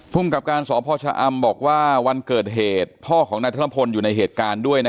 พกสพชอำบอกว่าวันเกิดเก็ดพ่อของนายธนพลอยู่ในเหตุการณ์